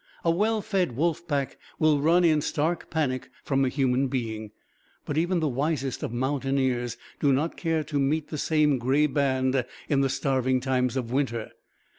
A well fed wolf pack will run in stark panic from a human being; but even the wisest of mountaineers do not care to meet the same gray band in the starving times of winter.